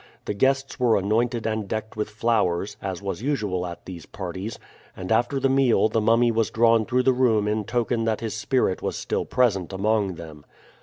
The guests were anointed and decked with flowers, as was usual at these parties, and after the meal the mummy was drawn through the room in token that his spirit was still present among them.